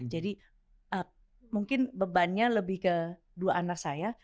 jadi mungkin bebannya lebih ke dua anak saya